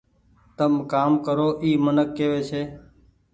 تم ڪآم ڪرو اي منڪ ڪيوي ڇي۔